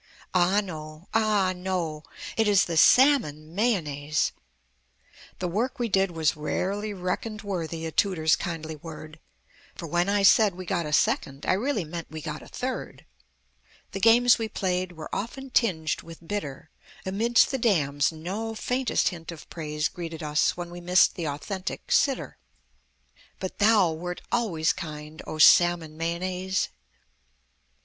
Ah no! Ah no! It is the Salmon Mayonnaise! The work we did was rarely reckoned Worthy a tutor's kindly word (For when I said we got a Second I really meant we got a Third) The games we played were often tinged with bitter, Amidst the damns no faintest hint of praise Greeted us when we missed the authentic "sitter" But thou wert always kind, O Salmon Mayonnaise!